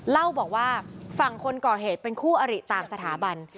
เล่าบอกว่าฝั่งคนก่อเหตุเป็นคู่อริต่างสถาบัน